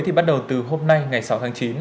thì bắt đầu từ hôm nay ngày sáu tháng chín